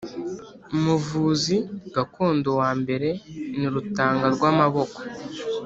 Umuvuzi gakondo wa mbere ni Rutangarwamaboko